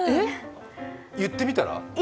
言ってみたら。